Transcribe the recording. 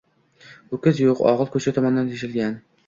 Ho‘kiz yo‘q, og‘il ko‘cha tomondan teshilgan